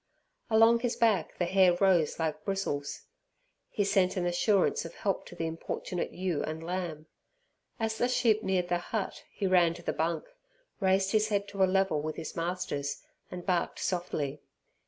Along his back the hair rose like bristles. He sent an assurance of help to the importunate ewe and lamb. As the sheep neared the hut, he ran to the bunk, raised his head to a level with his master's, and barked softly.